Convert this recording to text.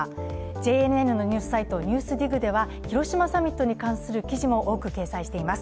ＪＮＮのニュースサイト「ＮＥＷＳＤＩＧ」では広島サミットに関する記事も多く掲載しています。